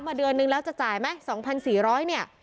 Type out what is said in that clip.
เดือนนึงแล้วจะจ่ายไหม๒๔๐๐เนี่ย